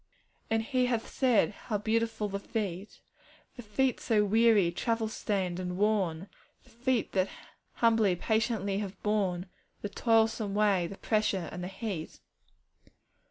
'And He hath said, "How beautiful the feet!" The "feet" so weary, travel stained, and worn The "feet" that humbly, patiently have borne The toilsome way, the pressure, and the heat.